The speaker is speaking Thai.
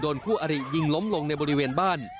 คู่อริยิงล้มลงในบริเวณบ้าน